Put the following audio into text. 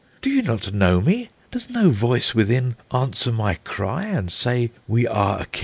Do you not know me? does no voice within Answer my cry, and say we are akin?"